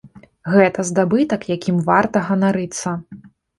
Гэта здабытак, якім варта ганарыцца.